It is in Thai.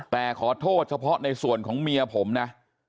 แต่ขอโทษเฉพาะในส่วนของเมียผมนะ